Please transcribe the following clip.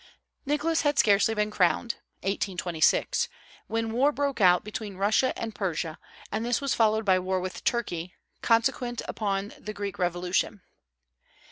Nicholas had scarcely been crowned (1826) when war broke out between Russia and Persia; and this was followed by war with Turkey, consequent upon the Greek revolution.